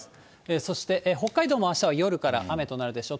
そして、北海道もあしたは夜から雨となるでしょう。